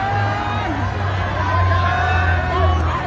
ดินที่ภูมิกับตาเทียมไทย